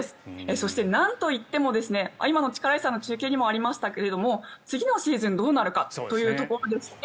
そして、なんといっても今の力石さんの中継にもありましたが次のシーズンどうなるかというところですね。